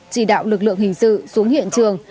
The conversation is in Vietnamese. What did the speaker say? chỉ đạo lực lượng hình sự xuống hiện trường